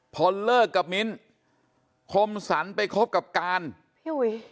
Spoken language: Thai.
พอเลิกกับมิ้นคมสรรไปคบกับการพี่อุ๋ย